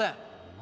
何？